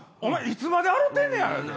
いつまで洗ってんねんや。